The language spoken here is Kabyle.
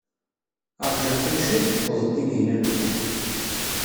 Ṛjiɣ kan cwiṭ, tuweḍ-d Tinhinan u Muḥ.